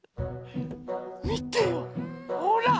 みてよほら！